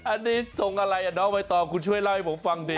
อันนี้ทรงอะไรอ่ะน้องใบตองคุณช่วยเล่าให้ผมฟังดี